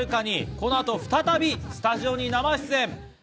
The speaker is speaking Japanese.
この後、再びスタジオに生出演。